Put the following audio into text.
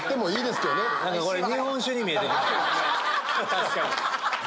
確かに。